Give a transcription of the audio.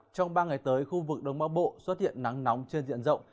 trong ba ngày tới khu vực đông bắc bộ xuất hiện nắng nóng trên diện rộng